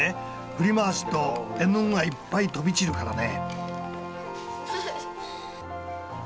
振り回すと絵の具がいっぱい飛び散るからね。